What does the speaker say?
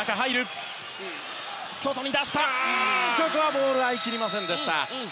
ボール、合いきりませんでした。